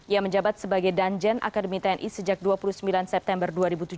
ia menjabat sebagai danjen akademi tni sejak dua puluh sembilan september dua ribu tujuh belas